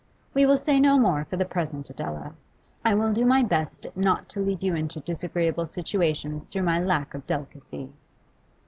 We will say no more for the present, Adela. I will do my best not to lead you into disagreeable situations through my lack of delicacy.